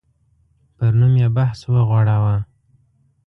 پر نوم یې بحث وغوړاوه.